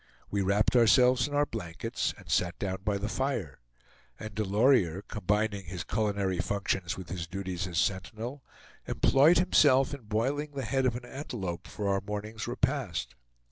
We wrapped ourselves in our blankets, and sat down by the fire; and Delorier, combining his culinary functions with his duties as sentinel, employed himself in boiling the head of an antelope for our morning's repast.